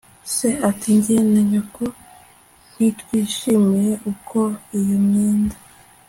se ati jye na nyoko ntitwishimiye uko iyo myenda